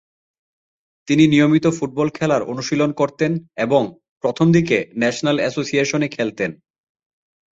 তিনি নিয়মিত ফুটবল খেলার অনুশীলন করতেন এবং প্রথমদিকে ন্যাশনাল অ্যাসোসিয়েশনে খেলতেন।